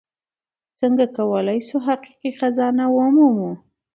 څنګه کولی شو حقیقي خزانه ومومو؟